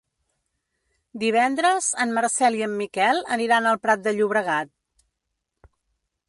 Divendres en Marcel i en Miquel aniran al Prat de Llobregat.